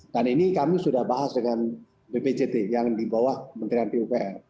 dan ini kami sudah bahas dengan bpjt yang di bawah menteri antri upr